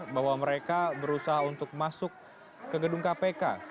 bahwa mereka berusaha untuk masuk ke gedung kpk